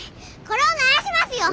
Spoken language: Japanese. これを鳴らしますよ！